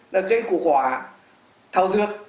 là cây củ quả thảo dược